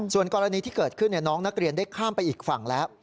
ส่วนกรณีที่เกิดขึ้นน้องนักเรียนได้ข้ามไปอีกฝั่งแล้ว